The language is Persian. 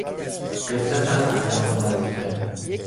غفلت از انجام وظیفه